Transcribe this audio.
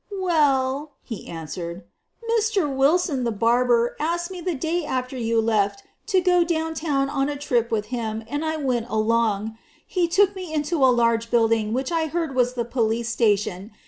"Well," he answered, "Mr. Wilson, the barber, asked me the day after you left to go downtown on a trip with him, and I went along. He took me into a large building which I heard was the police sta tion.